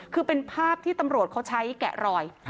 คือเป็นภาพที่ตำรวจเขาใช้แกะรอย